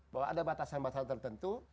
bahwa ada batasan batasan tertentu